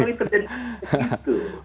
jadi terjadi seperti itu